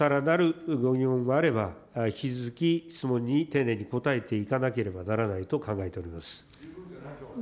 さらなるがあれば引き続き質問に丁寧に答えていかなければならないと考えております。